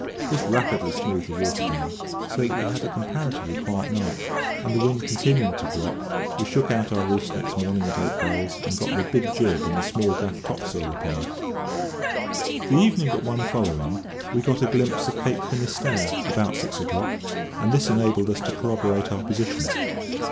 This rapidly smoothed the water down, so that we had a comparatively quiet night; and the wind continuing to drop, we shook out our reefs next morning at eight bells, and got the big jib and small gaff topsail upon her. The evening but one following we got a glimpse of Cape Finisterre about six o'clock, and this enabled us to corroborate our position.